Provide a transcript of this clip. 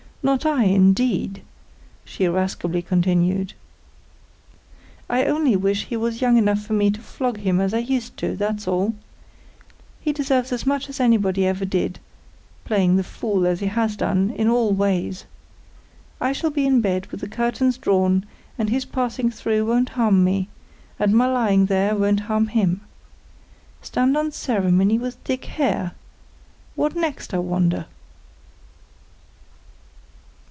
Not I, indeed," she irascibly continued. "I only wish he was young enough for me to flog him as I used to, that's all. He deserves it as much as anybody ever did, playing the fool, as he has done, in all ways. I shall be in bed, with the curtains drawn, and his passing through won't harm me, and my lying there won't harm him. Stand on ceremony with Dick Hare! What next, I wonder?"